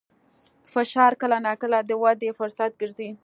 فشار کله ناکله د ودې فرصت ګرځي.